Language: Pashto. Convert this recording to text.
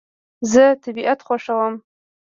زه طبیعت خوښوم